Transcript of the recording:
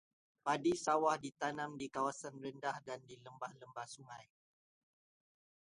Padi sawah ditanam di kawasan rendah dan di lembah-lembah sungai.